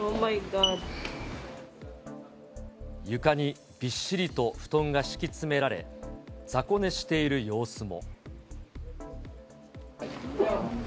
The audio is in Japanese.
床にびっしりと布団が敷き詰められ、ざこ寝している様子も。